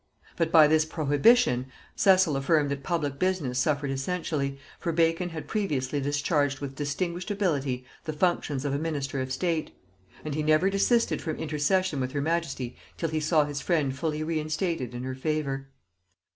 But by this prohibition Cecil affirmed that public business suffered essentially, for Bacon had previously discharged with distinguished ability the functions of a minister of state; and he never desisted from intercession with her majesty till he saw his friend fully reinstated in her favor.